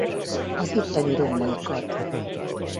Az itteni római kath.